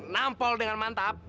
nampol dengan mantap